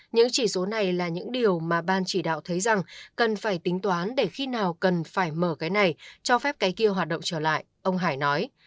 những chỉ số này là những điều mà ban chỉ đạo thấy rằng cần phải tính toán để khi nào cần phải mở cái này cho phép cái kia hoạt động trở lại ông hải nói